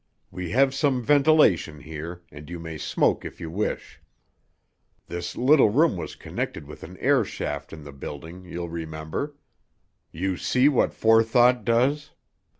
We have some ventilation here, and you may smoke if you wish. This little room was connected with an airshaft in the building, you'll remember. You see what forethought does?